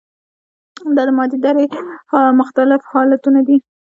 دا د مادې درې مختلف حالتونه دي.